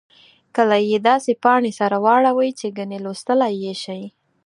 کله یې داسې پاڼې سره واړوئ چې ګنې لوستلای یې شئ.